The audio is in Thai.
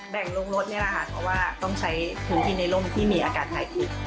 แบ่งลงรถเนี่ยแหละค่ะเพราะว่าต้องใช้ถุงกินในร่มที่มีอากาศไทยคลิป